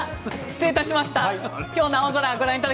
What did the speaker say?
失礼いたしました。